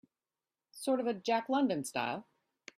Sort of a Jack London style?